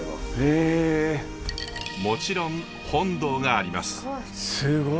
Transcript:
もちろん本堂があります。